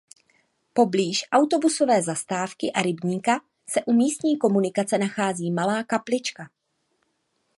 Poblíž autobusové zastávky a rybníka se u místní komunikace nachází malá kaplička.